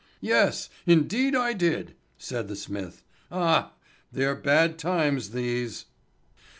"Yes, indeed I did," said the smith. "Ah, they're bad times these!"